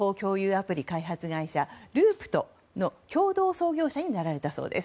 アプリ開発会社Ｌｏｏｐｔの共同創業者になられたそうです。